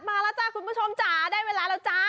ตะลอนตะหลาดมาแล้วจ้ะคุณผู้ชมจ๋า